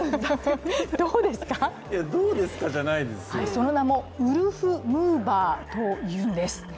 その名もウルフムーバーというんです。